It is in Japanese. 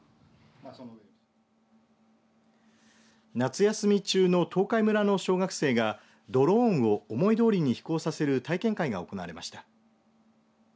夏休み中の東海村の小学生がドローンを思いどおりに飛行させる体験会が開かれました。